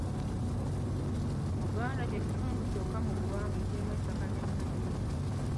Buganda kye kitundu kyokka mu ggwanga ekirimu ettaka lya Mmayiro.